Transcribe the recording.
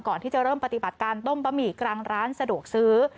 ก่อนที่จะเริ่มปฏิบัติการต้มบะหมี่กลางร้านสะดวกซื้อ